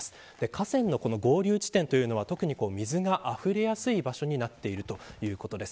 河川の合流地点というのは特に水があふれやすい場所になっているということです。